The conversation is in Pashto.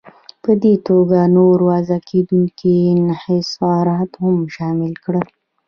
په دې توګه نور وضع کېدونکي انحصارات هم شامل کړل.